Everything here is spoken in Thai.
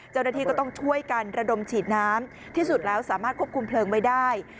เจ้าหน้าที่ก็ต้องช่วยกันระดมฉีดน้ำที่สุดแล้วสามารถควบคุมเพลิงไว้ได้